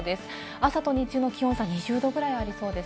朝と日中の気温差が２０度ぐらいありそうです。